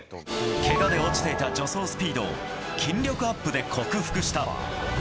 けがで落ちていた助走スピードを、筋力アップで克服した。